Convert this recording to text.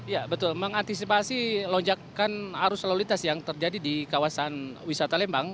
ya betul mengantisipasi lonjakan arus lalu lintas yang terjadi di kawasan wisata lembang